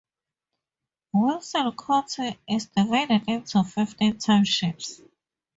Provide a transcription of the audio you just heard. Wilson County is divided into fifteen townships.